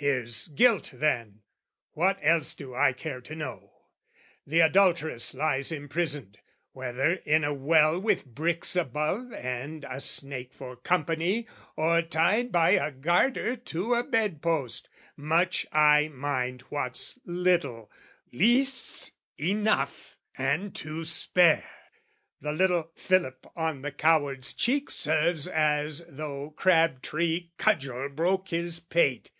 "Here's guilt then, what else do I care to know? "The adulteress lies imprisoned, whether in a well "With bricks above and a snake for company, "Or tied by a garter to a bed post, much "I mind what's little, least's enough and to spare! "The little fillip on the coward's cheek "Serves as though crab tree cudgel broke his pate.